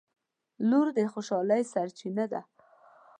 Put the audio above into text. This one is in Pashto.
• لور د خوشحالۍ سرچینه ده.